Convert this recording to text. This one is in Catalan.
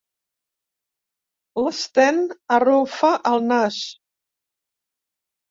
L'Sten arrufa el nas.